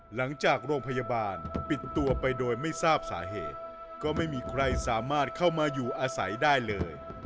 หลังจากโรงพยาบาลปิดตัวไปโดยไม่ทราบสาเหตุก็ไม่มีใครสามารถเข้ามาอยู่อาศัยได้เลย